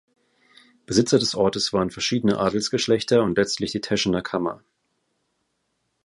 Besitzer des Ortes waren verschiedene Adelsgeschlechter und letztlich die Teschener Kammer.